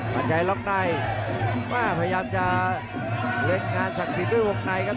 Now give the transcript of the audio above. มั่นใจล็อกในแม่พยายามจะเล็งงานศักดิ์สิทธิ์ด้วยวงในครับ